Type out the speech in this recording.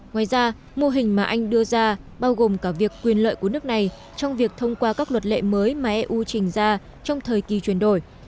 ngoài ra mô hình mà anh đưa ra bao gồm cả việc quyền lợi của nước này trong việc thông qua các luật lệ mới mà eu trình ra trong thời kỳ chuyển đổi